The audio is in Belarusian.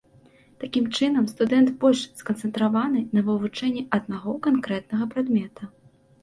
Такім чынам, студэнт больш сканцэнтраваны на вывучэнні аднаго канкрэтнага прадмета.